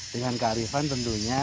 dengan kearifan tentunya